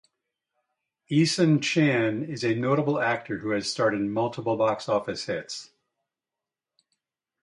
Eason Chan is a notable actor who has starred in multiple box office hits.